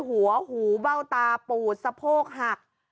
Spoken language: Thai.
หูหูเบ้าตาปูดสะโพกหัก